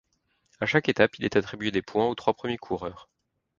À chaque étape il est attribué des points aux trois premiers coureurs.